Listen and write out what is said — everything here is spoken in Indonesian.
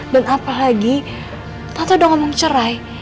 dan apalagi tante udah ngomong cerai